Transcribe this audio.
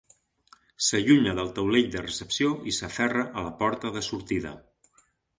S'allunya del taulell de recepció i s'aferra a la porta de sortida.